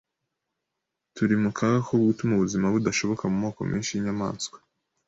Turi mu kaga ko gutuma ubuzima budashoboka ku moko menshi y’inyamaswa